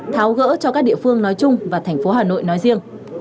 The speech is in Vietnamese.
tháo gỡ cho các địa phương nói chung và thành phố hà nội nói riêng